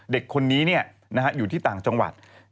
เด็กคนนี้อยู่ที่ต่างจังหวัด